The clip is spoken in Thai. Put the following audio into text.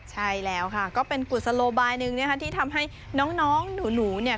ใช่แล้วค่ะก็เป็นกุศโลบายหนึ่งนะคะที่ทำให้น้องหนูเนี่ย